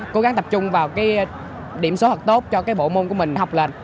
cố gắng tập trung vào cái điểm số học tốt cho cái bộ môn của mình học lên